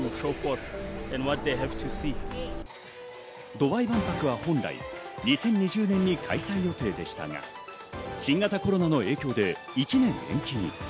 ドバイ万博は本来２０２０年に開催予定でしたが、新型コロナの影響で１年延期に。